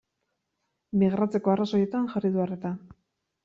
Migratzeko arrazoietan jarri du arreta.